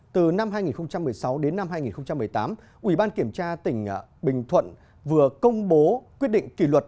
từ năm hai nghìn một mươi sáu đến năm hai nghìn một mươi tám ủy ban kiểm tra tỉnh bình thuận vừa công bố quyết định kỷ luật